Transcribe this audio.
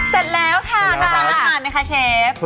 เสร็จแล้วค่ะลาดละค่ะเชฟ